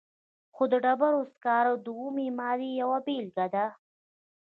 خو د ډبرو سکاره د اومې مادې یوه بیلګه ده.